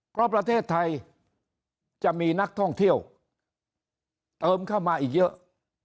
เพราะประเทศไทยจะมีนักท่องเที่ยวเติมเข้ามาอีกเยอะ